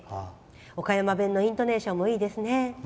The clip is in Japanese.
岡山弁のイントネーションもいいですね。